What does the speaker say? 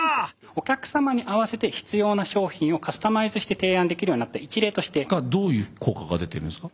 お客さまに合わせて必要な商品をカスタマイズして提案できるようになった一例として。がどういう効果が出てるんですか？